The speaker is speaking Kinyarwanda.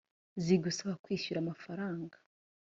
zigusaba kwishyura amafaranga